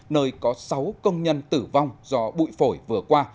nơi có sáu công nhân tử vong do bụi phổi vừa qua